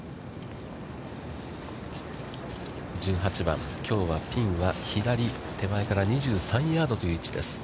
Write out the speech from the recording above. １８番、きょうは、ピンは左手前から２３ヤードという位置です。